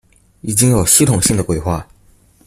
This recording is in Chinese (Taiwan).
已經有系統性的規劃